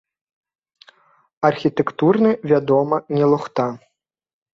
Архітэктурны, вядома, не лухта.